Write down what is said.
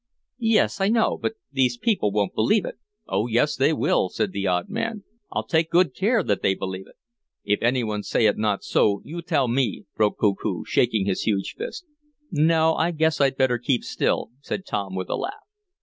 "Yes, I know. But these people won't believe it." "Oh, yes they will!" said the odd man. "I'll take good care that they believe it." "If any one say it not so, you tell me!" broke Koku, shaking his huge fist. "No, I guess I'd better keep still," said Tom, with a laugh.